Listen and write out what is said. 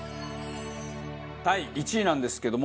第１位なんですけども。